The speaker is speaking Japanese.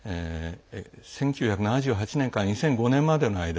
１９７８年から２００５年までの間